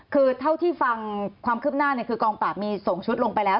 คือเท่าที่ฟังความคืบหน้าคือกองปราบมีส่งชุดลงไปแล้ว